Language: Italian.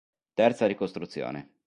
Terza ricostruzione.